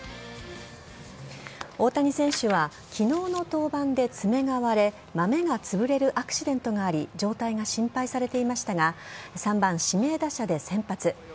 大谷選手は昨日の登板で爪が割れまめがつぶれるアクシデントがあり状態が心配されていましたが３番・指名打者で先発。